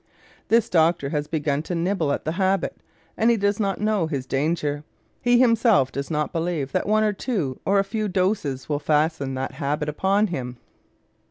This doctor has begun to nibble at the habit, and he does not know his danger. He himself does not believe that one or two or a few doses will fasten that habit upon him.